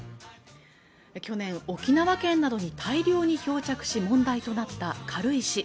去年沖縄県などに大量に漂着し問題となった軽石